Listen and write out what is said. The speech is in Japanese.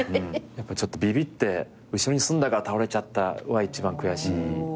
ちょっとビビって後ろに進んだから倒れちゃったは一番悔しいかな。